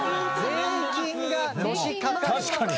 確かに！